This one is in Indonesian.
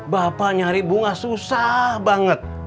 bapak nyari bunga susah banget